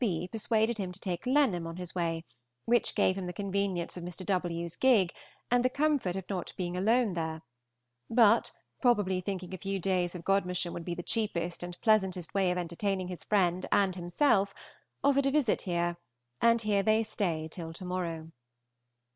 B. persuaded him to take Lenham on his way, which gave him the convenience of Mr. W.'s gig, and the comfort of not being alone there; but, probably thinking a few days of Gm. would be the cheapest and pleasantest way of entertaining his friend and himself, offered a visit here, and here they stay till to morrow.